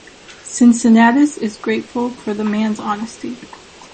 Cincinnatus is grateful for the man's honesty.